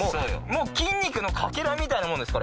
もう筋肉のかけらみたいなもんです！